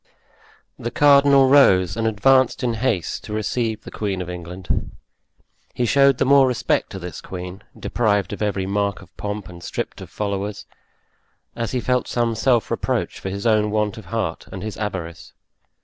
The cardinal rose, and advanced in haste to receive the queen of England. He showed the more respect to this queen, deprived of every mark of pomp and stripped of followers, as he felt some self reproach for his own want of heart and his avarice.